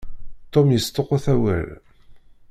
Tom yesṭuqut awal.